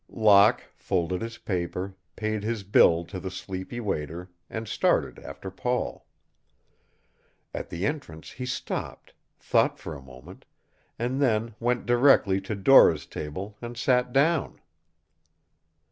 Locke folded his paper, paid his bill to the sleepy waiter, and started after Paul. At the entrance he stopped, thought a moment, and then went directly to Dora's table and sat down.